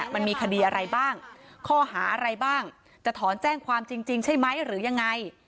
มันมีคดีอะไรบ้างข้อหาอะไรบ้างจะถอนแจ้งความจริงใช่ไหมหรือยังไง